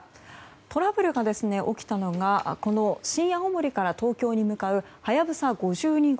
トラブルが起きたのが新青森から東京に向かう「はやぶさ５２号」